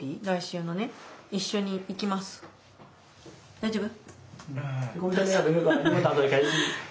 大丈夫？